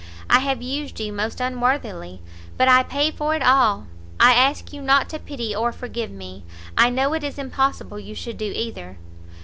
I have used you most unworthily, but I pay for it all! I ask you not to pity or forgive me, I know it is impossible you should do either."